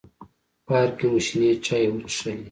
پارک کې مو شنې چای وڅښلې.